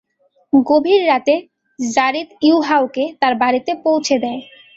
গভীর রাতে যারীদ ইউহাওয়াকে তার বাড়িতে পৌঁছে দেয়।